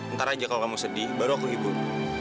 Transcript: ntar aja kalau kamu sedih baru aku ikut